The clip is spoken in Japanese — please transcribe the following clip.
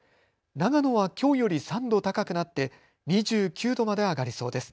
長野はきょうより３度高くなって２９度まで上がりそうです。